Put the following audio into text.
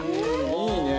「いいね！」